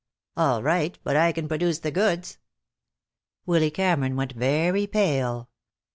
"All right. But I can produce the goods." Willy Cameron went very pale.